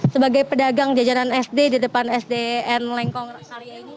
sebagai pedagang jajaran sd di depan sdn lengkong kali ini